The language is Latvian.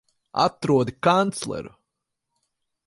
Atrodi kancleru!